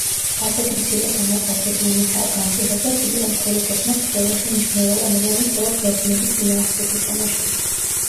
ასეთი მცირე დანაკარგები იმითაა განპირობებული, რომ ქვეითებმა ბრძოლაში მნიშვნელოვანი როლი მხოლოდ ბერძნების წინააღმდეგ ითამაშეს.